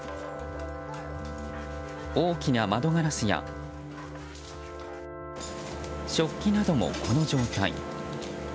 大きな窓ガラスや食器などもこの状態。